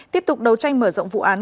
tiếp tục đấu tranh mở rộng vụ án